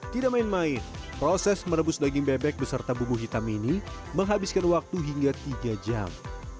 tidak main main proses merebus daging bebek beserta bumbu hitam ini menghabiskan waktu hingga tiga jam